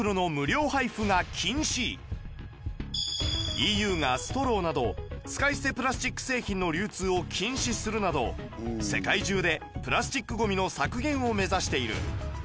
ＥＵ がストローなど使い捨てプラスチック製品の流通を禁止するなど世界中でプラスチックゴミの削減を目指している